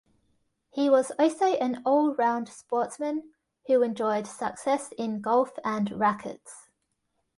He was also an all-round sportsman who enjoyed success in golf and racquets.